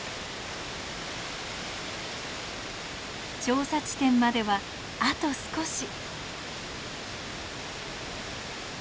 調査地点まではあと少し。